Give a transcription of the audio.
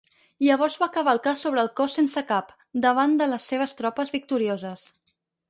Llavors va cavalcar sobre el cos sense cap, davant de les seves tropes victorioses.